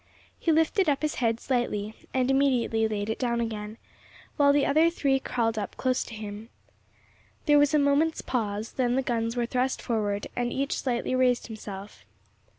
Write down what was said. He lifted up his head slightly, and immediately laid it down again, while the other three crawled up close to him. There was a moment's pause, then the guns were thrust forward, and each slightly raised himself.